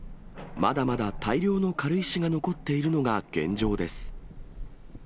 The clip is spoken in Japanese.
まだまだ大量の軽石が残っているのが現状です。